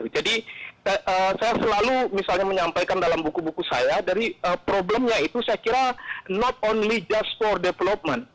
jadi saya selalu misalnya menyampaikan dalam buku buku saya dari problemnya itu saya kira not only just for development